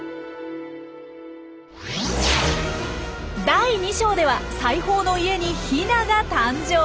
第２章では裁縫の家にヒナが誕生。